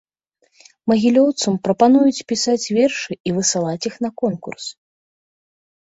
Магілёўцам прапануюць пісаць вершы і высылаць іх на конкурс.